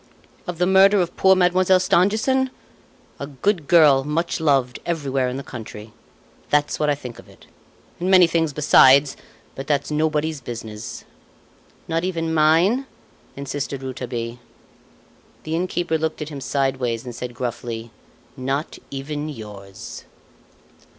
"Of the murder of poor Mademoiselle Stangerson? A good girl much loved everywhere in the country. That's what I think of it and many things besides; but that's nobody's business." "Not even mine?" insisted Rouletabille. The innkeeper looked at him sideways and said gruffly: "Not even yours."